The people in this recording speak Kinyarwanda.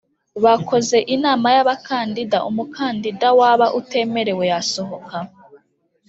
Bakoze inama y abakandida umukandida waba utemerewe yasohoka